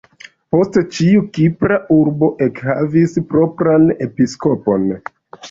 Poste ĉiu kipra urbo ekhavis propran episkopon.